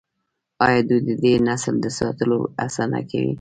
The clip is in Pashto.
آیا دوی د دې نسل د ساتلو هڅه نه کوي؟